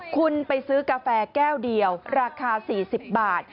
คุณไปซื้อกาแฟแก้วเดียวราคา๔๐บาท